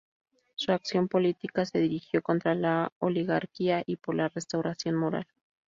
Su acción política se dirigió contra la oligarquía y por la restauración moral.